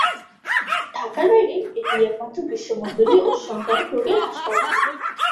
ঢাকার বাইরে এটিই একমাত্র গ্রীষ্মমণ্ডলীয় ও সংক্রামক রোগের হাসপাতাল।